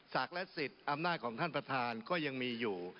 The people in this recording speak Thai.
และสิทธิ์อำนาจของท่านประธานก็ยังมีอยู่